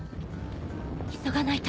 急がないと。